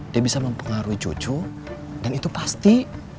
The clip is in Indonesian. dia bisa mempengaruhi cucu dan itu pasti